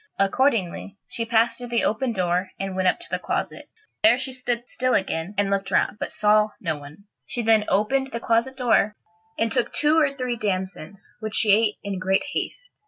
Accordingly, she passed through the open door and went up to the closet. There she stood still again, and looked round, but saw no one. She then opened the closet door, and took two or three damsons, which she ate in great haste.